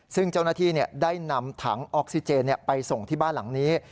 ซึ่งเจ้าหน้าที่ได้นำถังออกซิเจนไปส่งที่บ้านหลังนี้